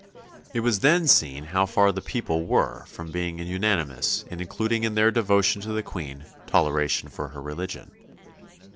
It was then seen how far the people were from being unanimous in including in their devotion to the Queen toleration for her religion.